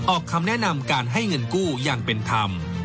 ออกคำแนะนำการให้เงินกู้อย่างเป็นธรรม